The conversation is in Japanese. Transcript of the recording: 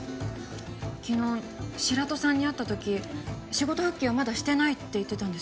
昨日白土さんに会った時仕事復帰はまだしてないって言ってたんです。